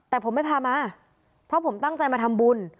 แต่ผมไม่พามาเพราะผมตั้งใจมาทำบุญ